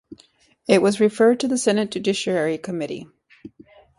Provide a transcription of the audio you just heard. It was referred to the Senate Judiciary Committee.